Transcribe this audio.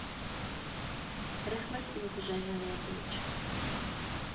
Рәхмәт, Илғужа Ғиниәтович